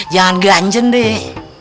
jangan ganjen deh